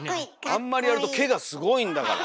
あんまりやると毛がすごいんだから！